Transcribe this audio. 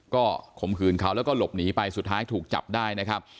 ก็ข่มขืนเขาแล้วก็หลบหนีไปสุดท้ายถูกจับได้นะครับ